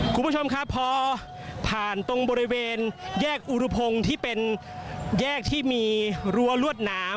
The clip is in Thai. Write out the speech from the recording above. คุณผู้ชมครับพอผ่านตรงบริเวณแยกอุรุพงศ์ที่เป็นแยกที่มีรั้วรวดหนาม